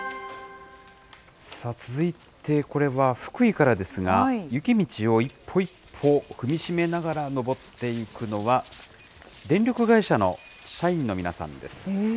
続いて、これは福井からですが、雪道を一歩一歩踏みしめながらのぼっていくのは、電力会社の社員の皆さんです。